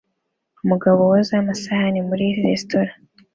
Umugabo woza amasahani muri resitora